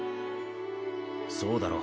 そうだろ